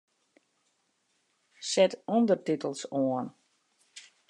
Set ûndertitels oan.